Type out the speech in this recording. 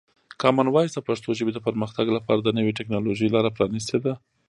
کامن وایس د پښتو ژبې د پرمختګ لپاره د نوي ټکنالوژۍ لاره پرانیستې ده.